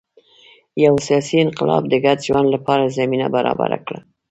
یو سیاسي انقلاب د ګډ ژوند لپاره زمینه برابره کړه.